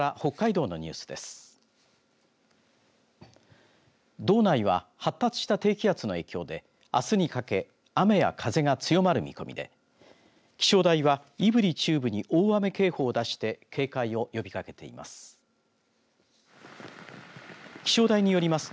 道内は発達した低気圧の影響であすにかけ雨や風が強まる見込みで気象台は胆振中部に大雨警報を出して警戒を呼びかけています。